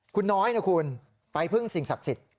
คุณน้อยนะคุณไปพึ่งสิ่งศักดิ์สิทธิ์